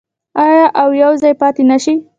آیا او یوځای پاتې نشي؟